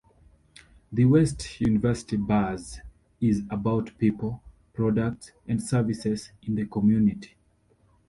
The West University Buzz is about people, products and services in the community.